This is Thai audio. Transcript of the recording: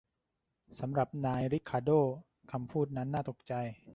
สำหรับนายริคาร์โด้คำพูดนั้นน่าตกใจ